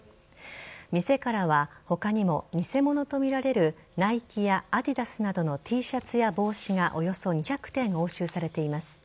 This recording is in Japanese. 店からは他にも偽物とみられるナイキやアディダスなどのＴシャツや帽子がおよそ２００点押収されています。